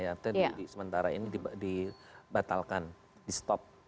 artinya sementara ini dibatalkan di stop